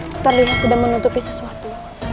kamu terlihat sedang menutupi sesuatu